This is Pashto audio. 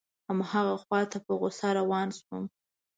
هماغه خواته په غوسه روان شوم.